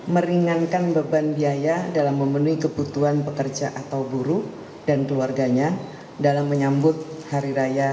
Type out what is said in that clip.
meringankan beban biaya dalam memenuhi kebutuhan pekerja atau buruh dan keluarganya dalam menyambut hari raya